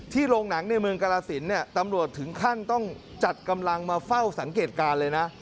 โรงหนังในเมืองกรสินเนี่ยตำรวจถึงขั้นต้องจัดกำลังมาเฝ้าสังเกตการณ์เลยนะ